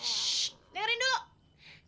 shhh dengerin dulu